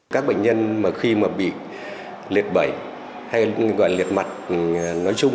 các bệnh nhân mà khi mà bị liệt bẩy hay gọi là liệt mặt nói chung ấy